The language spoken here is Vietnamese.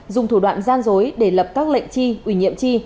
dùng thủ đoạn gian dối để lập các lệnh chi ủy nhiệm chi